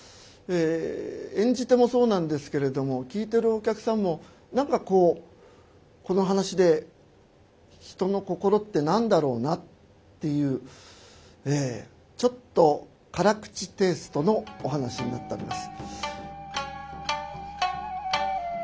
演じ手もそうなんですけれども聴いているお客さんも何かこうこの噺で人の心って何だろうなっていうちょっと辛口テイストのお噺になっております。